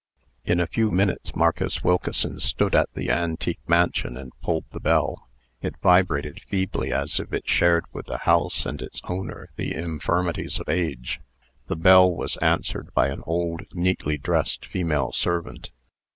In a few minutes Marcus Wilkeson stood at the antique mansion, and pulled the bell. It vibrated feebly as if it shared with the house and its owner the infirmities of age. The bell was answered by an old, neatly dressed female servant.